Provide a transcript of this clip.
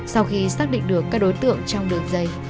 sau khi xác định đối tượng trong đường dây